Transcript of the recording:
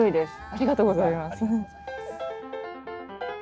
ありがとうございます。